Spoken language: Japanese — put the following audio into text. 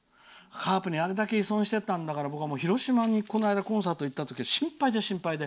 カープにあれだけ依存してたんだから僕、広島にこの間コンサートで行ったときに心配で心配で。